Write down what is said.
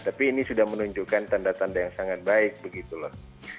tapi ini sudah menunjukkan tanda tanda yang sangat baik begitu loh